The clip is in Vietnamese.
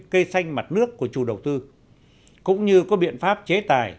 cũng như có biện pháp chế tài